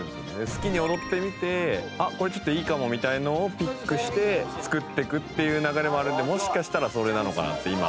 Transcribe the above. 好きに踊ってみて「あっこれちょっといいかも」みたいなのをピックして作っていくっていう流れもあるのでもしかしたらそれなのかなって今。